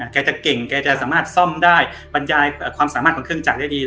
แกจะเก่งแกจะสามารถซ่อมได้บรรยายความสามารถของเครื่องจักรได้ดี